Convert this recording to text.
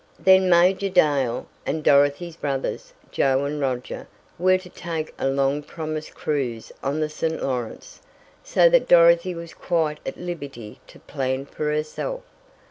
Then Major Dale, and Dorothy's brothers, Joe and Roger, were to take a long promised cruise on the St. Lawrence, so that Dorothy was quite at liberty to plan for herself.